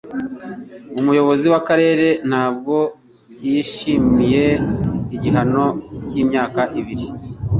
Umuyobozi w'akarere ntabwo yishimiye igihano cy'imyaka ibiri